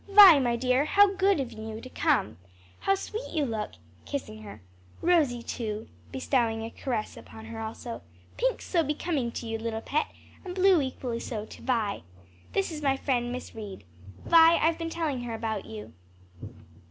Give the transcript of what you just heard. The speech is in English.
"Vi, my dear, how good in you to come. How sweet you look!" kissing her. "Rosie too," bestowing a caress upon her also, "pink's so becoming to you, little pet, and blue equally so to Vi. This is my friend Miss Reed, Vi, I've been telling her about you."